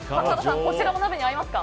こちらも鍋に合いますか？